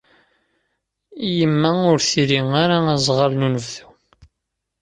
Yemma ur tri ara aẓɣal n unebdu.